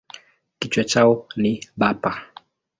Kichwa chao ni bapa.